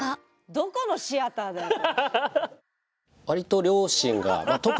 どこのシアターだよこれ。